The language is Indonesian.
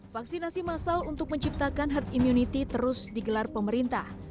vaksinasi masal untuk menciptakan herd immunity terus digelar pemerintah